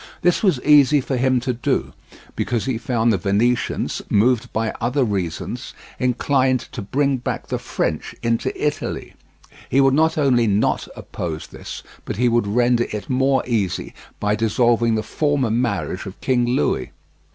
This was easy for him to do, because he found the Venetians, moved by other reasons, inclined to bring back the French into Italy; he would not only not oppose this, but he would render it more easy by dissolving the former marriage of King Louis.